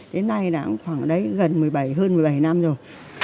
đến nay khoảng gần một mươi bảy hơn một mươi bảy năm rồi